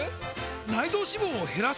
内臓脂肪を減らす！？